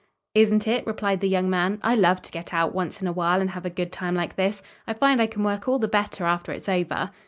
"Isn't it?" replied the young man, "I love to get out, once in a while, and have a good time like this. I find I can work all the better after it's over."